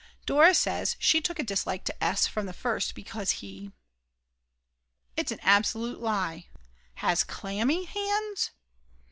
Dora says she took a dislike to S. from the first because he it's an absolute lie! has clammy! hands.